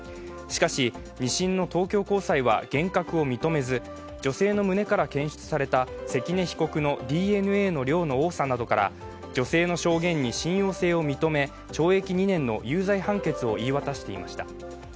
しかし２審の東京高裁は、幻覚を認めず、女性の胸から検出された関根被告のＤＮＡの量の多さなどから女性の証言に信用性を認め、懲役２年の有罪判決を言い渡していました。